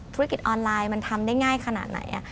ธุรกิจออนไลน์มันทำได้ง่ายขนาดไหน